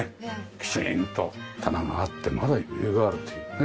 きちんと棚があってまだ余裕があるというね。